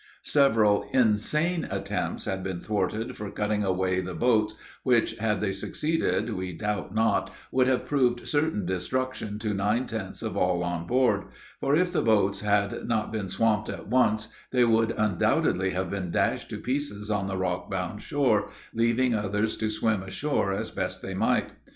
Several insane attempts had been thwarted for cutting away the boats, which, had they succeeded, we doubt not, would have proved certain destruction to nine tenths of all on board; for if the boats had not been swamped at once, they would undoubtedly have been dashed to pieces on the rock bound shore, leaving others to swim ashore as best they might.